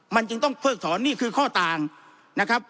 มันจึงต้องเพิกถอนนี่คือข้อต่างนะครับ